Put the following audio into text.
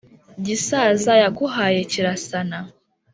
gisaza yaguhaye kirasana